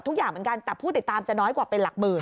ทุกอย่างเหมือนกันแต่ผู้ติดตามจะน้อยกว่าเป็นหลักหมื่น